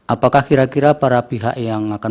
apakah kira kira para pihak yang akan